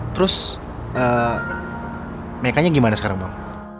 terus mekanya gimana sekarang bang